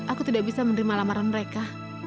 aku tidak bisa menerima lamaran mereka